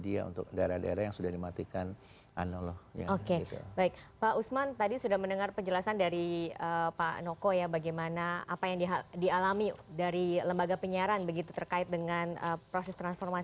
dari bawah sampai atas